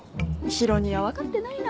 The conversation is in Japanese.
ヒロ兄は分かってないな。